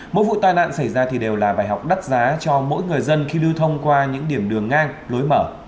mỗi vụ tai nạn xảy ra thì đều là bài học đắt giá cho mỗi người dân khi lưu thông qua những điểm đường ngang lối mở